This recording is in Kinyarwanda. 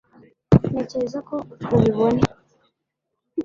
Ntekereza ko ubibona